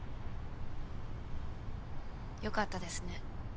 良かったですね。